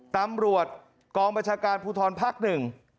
ตำรวจกองบัญชาการภูทรภักดิ์หนึ่ง